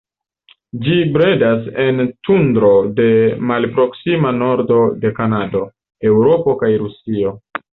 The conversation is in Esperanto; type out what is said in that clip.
Ĝi bredas en tundro de malproksima nordo de Kanado, Eŭropo kaj Rusio.